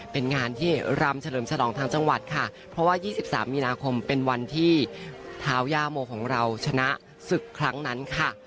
เป็นงานที่รำเฉลิมฉลองทางจังหวัดค่ะเพราะว่า๒๓มีนาคมเป็นวันที่เท้าย่าโมของเราชนะศึกครั้งนั้นค่ะ